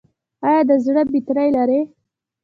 ایا د زړه بطرۍ لرئ؟